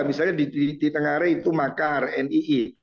misalnya di tengah rai itu makar nii